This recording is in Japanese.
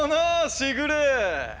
時雨。